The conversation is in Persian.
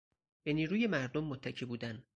به نیروی مردم متکی بودن